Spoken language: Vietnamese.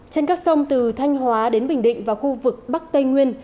trên các sông từ thanh hóa đến bình định và khu vực bắc tây nguyên